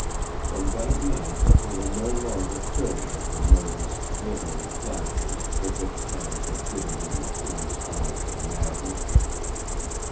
From that night they were no longer filled with the nervous, glittering flashes which at times had given him an appearance almost of madness.